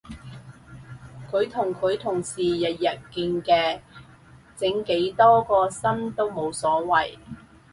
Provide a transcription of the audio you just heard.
佢同佢同事日日見嘅整幾多個心都冇所謂